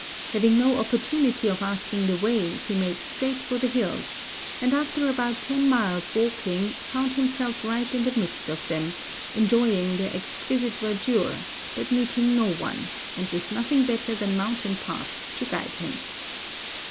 Having no opportunity of asking the way, he made straight for the hills; and after about ten miles walking found himself right in the midst of them, enjoying their exquisite verdure, but meeting no one, and with nothing better than mountain paths to guide him.